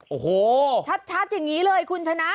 โอ้โหชัดแบบนี้เลยคุณชนะ